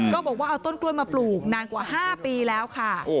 ก็บอกว่าเอาต้นกล้วยมาปลูกนานกว่า๕ปีแล้วค่ะ